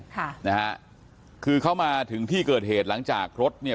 ค่ะนะฮะคือเขามาถึงที่เกิดเหตุหลังจากรถเนี่ย